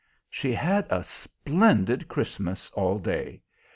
She had a splendid Christmas all day.